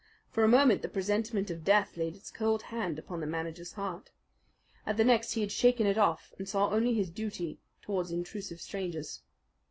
For a moment the presentiment of Death laid its cold hand upon the manager's heart. At the next he had shaken it off and saw only his duty towards intrusive strangers.